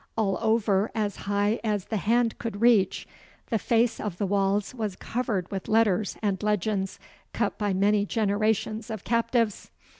All over, as high as the hand could reach, the face of the walls was covered with letters and legends cut by many generations of captives.